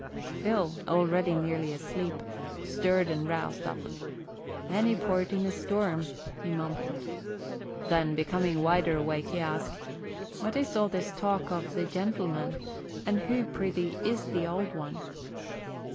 Phil, already nearly asleep, stirred and roused up. "Any port in a storm," he mumbled. Then, becoming wider awake, he asked, "What is all this talk of 'the gentlemen' and who, prithee, is the Old One?"